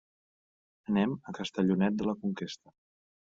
Anem a Castellonet de la Conquesta.